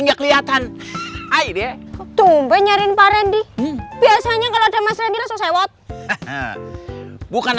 nggak kelihatan ayo deh tombe nyariin pak rendy biasanya kalau ada mas rendy langsung sewot bukan